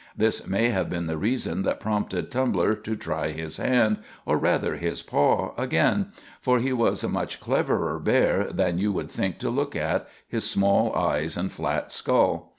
This may have been the reason that prompted Tumbler to try his hand, or rather his paw, again, for he was a much cleverer bear than you would think to look at his small eyes and flat skull.